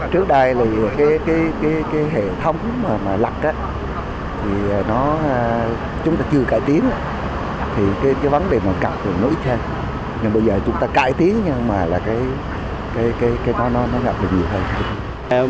nếu mà lật thì chúng ta chưa cải tiến thì cái vấn đề mà cặp thì nổi trên nhưng bây giờ chúng ta cải tiến nhưng mà cái nó ngập được nhiều hơn